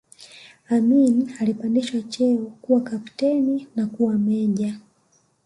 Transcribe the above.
Amin alipandishwa cheo kuwa kapteni na kuwa meja